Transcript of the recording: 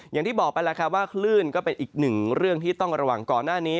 อย่างที่บอกไปแล้วครับว่าคลื่นก็เป็นอีกหนึ่งเรื่องที่ต้องระวังก่อนหน้านี้